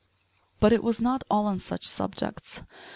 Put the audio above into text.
But it was not all on such subjects.